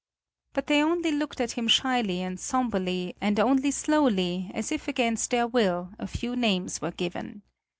But they only looked at him shyly and sombrely and only slowly, as if against their will, a few names were given.